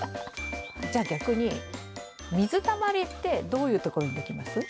じゃあ逆に水たまりってどういうところにできます？